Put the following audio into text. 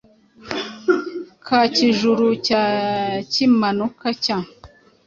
ka Kijuru cya Kimanuka cya